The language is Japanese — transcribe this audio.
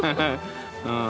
うん。